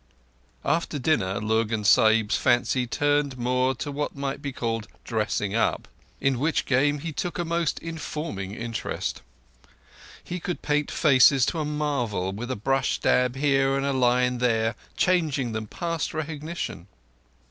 After dinner, Lurgan Sahib's fancy turned more to what might be called dressing up, in which game he took a most informing interest. He could paint faces to a marvel; with a brush dab here and a line there changing them past recognition.